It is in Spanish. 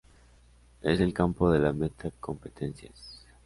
Es el campo de las meta competencias.